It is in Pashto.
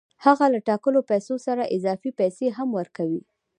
هغه له ټاکلو پیسو سره اضافي پیسې هم ورکوي